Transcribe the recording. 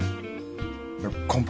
いや乾杯。